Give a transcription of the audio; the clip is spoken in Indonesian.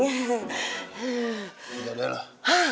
gak ada lah